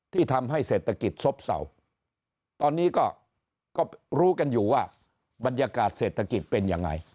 ที่ทำให้เศรษฐกิจซบเศร้าตอนนี้ก็รู้กันอยู่ว่าบรรยากาศเศรษฐกิจเป็นยังไง